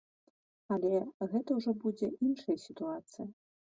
Але гэта ўжо будзе іншая сітуацыя.